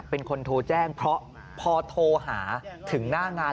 เป็นคนโทรแจ้งเพราะพอโทรหาถึงหน้างาน